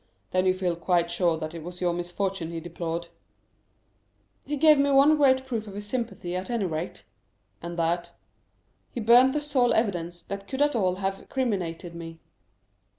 "Then you feel quite sure that it was your misfortune he deplored?" "He gave me one great proof of his sympathy, at any rate." "And that?" "He burnt the sole evidence that could at all have criminated me."